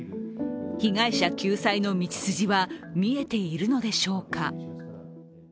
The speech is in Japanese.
被害者救済の道筋は見えているのでしょうか。